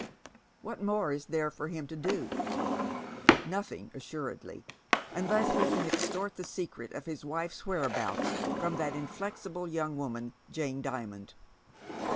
What more is there for him to do ? Nothing assuredly, unless he can extort the secret of his wife's whereabouts from that inflexible young woman, Jane Dimond.